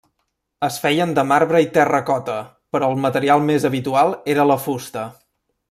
Es feien de marbre i terracota, però el material més habitual era la fusta.